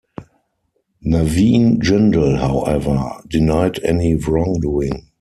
Naveen Jindal, however, denied any wrongdoing.